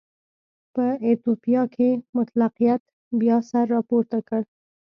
په ایتوپیا کې مطلقیت بیا سر راپورته کړ.